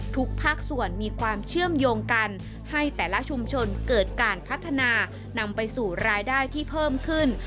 ทุกภาคส่วนมีความเชื่อมโยงกันให้แต่ละชุมชนเกิดการพัฒนานำไปสู่รายได้ที่เพิ่มขึ้น